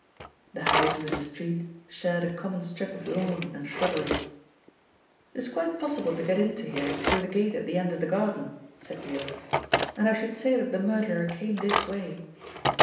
The houses in the street shared a common strip of lawn and shrubbery. "It is quite possible to get into here through the gate at the end of the garden," said Yale, "and I should say that the murderer came this way."